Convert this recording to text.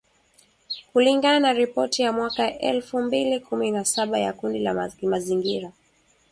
kulingana na ripoti ya mwaka elfu mbili kumi na saba ya kundi la kimazingira